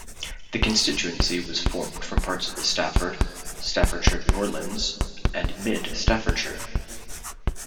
The constituency was formed from parts of the Stafford, Staffordshire Moorlands and Mid Staffordshire.